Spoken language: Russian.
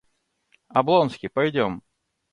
Облонский, пойдем!